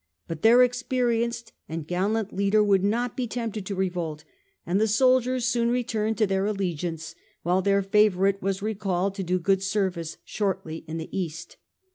But their experienced and gallant leader would not be tempted to revolt, and the soldiers soon returned to their allegiance, while their favourite was recalled to do good service shortly in the East.